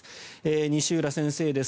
西浦先生です。